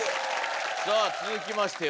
さぁ続きましては。